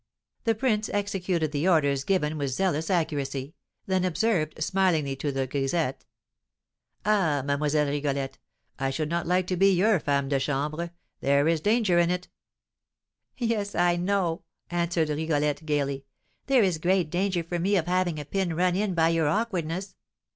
The prince executed the orders given with zealous accuracy; then observed, smilingly, to the grisette: "Ah, Mlle. Rigolette, I should not like to be your femme de chambre; there is danger in it!" "Yes, I know," answered Rigolette gaily; "there is great danger for me of having a pin run in by your awkwardness.